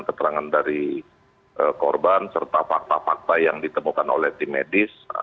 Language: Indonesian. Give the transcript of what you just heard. keterangan dari korban serta fakta fakta yang ditemukan oleh tim medis